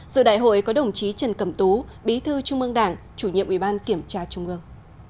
giữa đại hội có đồng chí trần cẩm tú bí thư trung ương đảng chủ nhiệm ủy ban kiểm tra trung ương